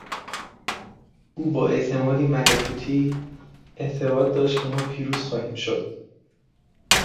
او با اعتمادی ملکوتی اعتقاد داشت که ما پیروز خواهیم شد.